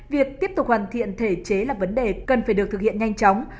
việc tiếp tục hoàn thiện thể chế là vấn đề cần phải được thực hiện nhanh chóng